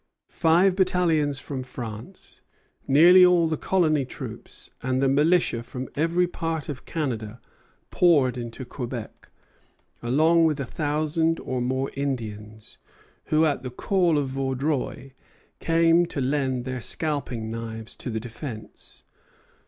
Five battalions from France, nearly all the colony troops, and the militia from every part of Canada poured into Quebec, along with a thousand or more Indians, who, at the call of Vaudreuil, came to lend their scalping knives to the defence.